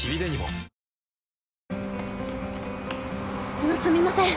あのすみません。